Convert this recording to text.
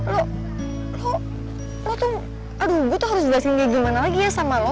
lo tuh aduh gue tuh harus jelasin kayak gimana lagi ya sama lo